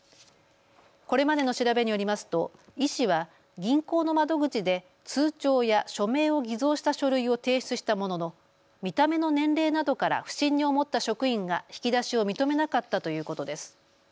これまでの調べによりますと医師は銀行の窓口で通帳や署名を偽造した書類を提出したものの見た目の年齢などから不審に思った職員が引き出しを認めなかったということです。